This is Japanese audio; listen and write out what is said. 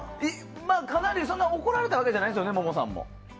そんな怒られたわけじゃないんですよね、ももさんも。